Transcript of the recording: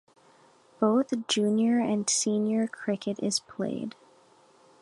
Both Junior and Senior cricket is played.